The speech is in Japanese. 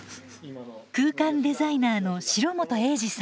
空間デザイナーの城本栄治さん。